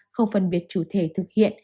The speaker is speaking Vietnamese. không phân biệt chủ thể thực hiện